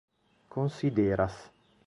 konsideras